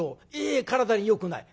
ええ体によくない。